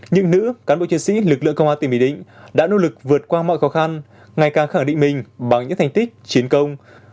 nhưng nữ cán bộ chiến sĩ lực lượng công an tỉnh bình định đã nỗ lực vượt qua mọi khó khăn ngày càng khẳng định mình bằng những thành tích chiến công